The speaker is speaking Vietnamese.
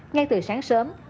ngay từ sáng sớm